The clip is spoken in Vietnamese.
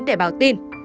để báo tin